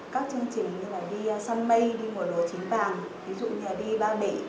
các chương trình như là đi săn mây đi ngồi lùa chín vàng ví dụ như là đi ba mệ